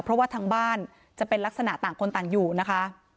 เพราะว่าทางบ้านจะเป็นลักษณะต่างคนต่างอยู่นะคะ